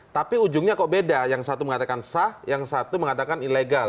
tapi ujungnya kok beda yang satu mengatakan sah yang satu mengatakan ilegal